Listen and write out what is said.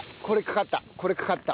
これかかった。